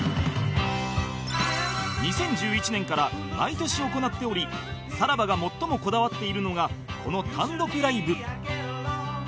２０１１年から毎年行っておりさらばが最もこだわっているのがこの単独ライブ